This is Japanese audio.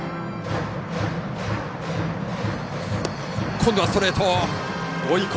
今度はストレート。